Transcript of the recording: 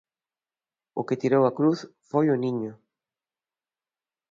O que tirou a cruz foi o niño.